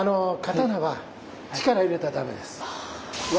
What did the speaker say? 刀は力入れたらダメです。